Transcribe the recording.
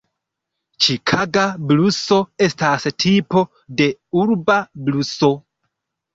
Ĉikaga bluso estas tipo de urba bluso.